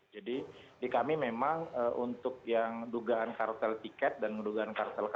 di kami memang untuk yang dugaan kartel tiket dan dugaan kartel